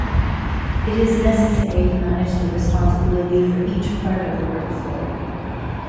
It is necessary to manage the responsibility for each part of the workflow.